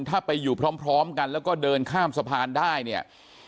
ถ้าไปอยู่พร้อมกันแล้วก็เดินข้ามสะพานได้เนี่ย